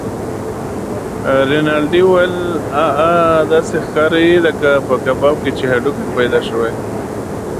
رینالډي: اه اه! داسې ښکارې لکه په کباب کې چې هډوکی پیدا شوی.